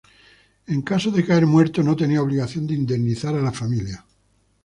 En caso de caer muerto no tenía obligación de indemnizar a la familia.